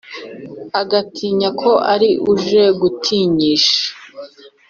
agashima ko ari uje gutinyisha